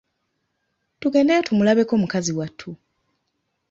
Tugendeyo tumulabeko mukazi wattu.